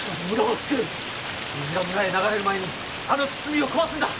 水が村に流れる前にあの堤を壊すんだ！